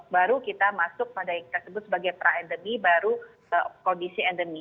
baru kita masuk pada yang kita sebut sebagai pra endemi baru kondisi endemi